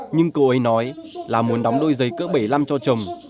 nhưng cô ấy nói là muốn đóng đôi giày cỡ bảy mươi năm cho chồng